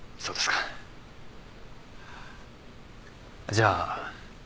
じゃあ。